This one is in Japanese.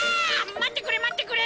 待ってくれ待ってくれ！